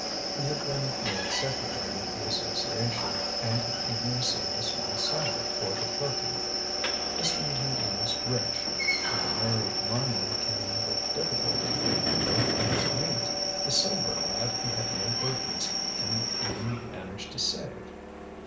He had been made secretary of the association and he even received a small salary for the clerking. This made him almost rich. If a married miner can with difficulty make both ends meet, a sober lad who has no burdens can even manage to save.